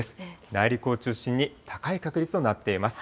内陸を中心に高い確率となっています。